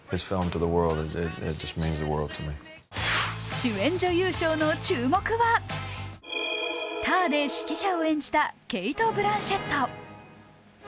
主演女優賞の注目は「ＴＡＲ」で指揮者を演じたケイト・ブランシェット。